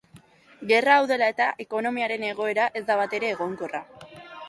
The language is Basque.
Gerra hau dela eta, ekonomiaren egoera ez da batere egonkorra.